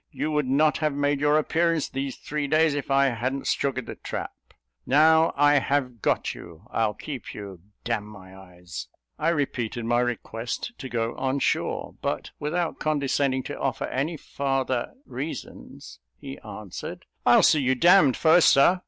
You would not have made your appearance these three days, if I hadn't sugared the trap! Now I have got you, I'll keep you, d n my eyes!" I repeated my request to go on shore; but, without condescending to offer any farther reasons, he answered "I'd see you d d first, Sir!